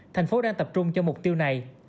thành phố đang tập trung cho mục tiêu này